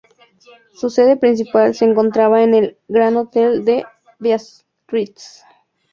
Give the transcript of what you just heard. Su sede principal se encontraba en el Grand Hotel de Biarritz.